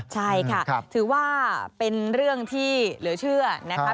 ใช่ค่ะถือว่าเป็นเรื่องที่เหลือเชื่อนะครับ